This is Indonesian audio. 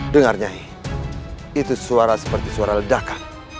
dengar nyai itu suara seperti suara ledakan